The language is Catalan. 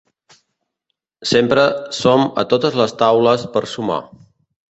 Sempre som a totes les taules per sumar.